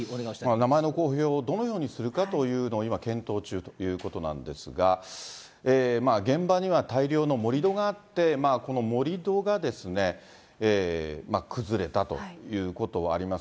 名前の公表をどのようにするかということを今検討中ということなんですが、現場には大量の盛り土があって、この盛り土が崩れたということがあります。